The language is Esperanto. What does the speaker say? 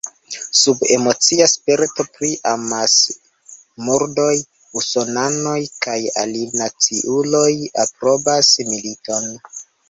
Sub emocia sperto pri amasmurdoj usonanoj kaj alinaciuloj aprobas militon.